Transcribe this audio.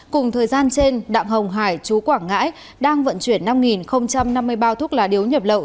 cùng thời gian trên đạm hồng hải chú quảng ngãi đang vận chuyển năm năm mươi bao thuốc lá điếu nhập lậu